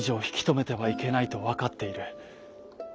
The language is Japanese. ひきとめてはいけないとわかっている。